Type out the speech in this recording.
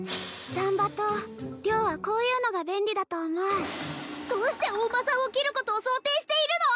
斬馬刀良はこういうのが便利だと思うどうしてお馬さんを斬ることを想定しているの！？